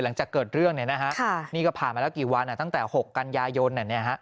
หลังจากเกิดเรื่องเนี่ยนะฮะนี่ก็ผ่านมาแล้วกี่วันตั้งแต่๖กันยายน